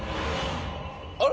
あれ？